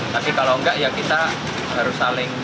tapi kalau enggak ya kita harus saling